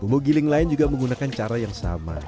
bumbu giling lain juga menggunakan cara yang sama